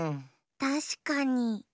たしかに。